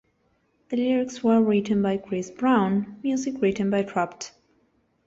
The lyrics were written by Chris Brown, music written by Trapt.